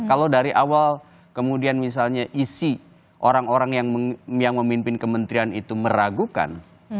kalau dari awal kemudian misalnya isi orang orang yang memimpin kementerian itu meragukan